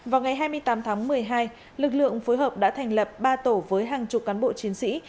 vào ngày hai mươi tám tháng một mươi hai lực lượng phối hợp đã thành lập ba tổ với hàng chục cán bộ chiến sĩ